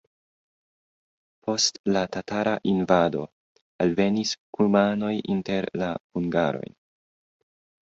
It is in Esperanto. Post la tatara invado alvenis kumanoj inter la hungarojn.